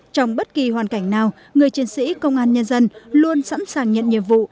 trong bất kỳ hoàn cảnh nào người chiến sĩ công an nhân dân luôn sẵn sàng nhận nhiệm vụ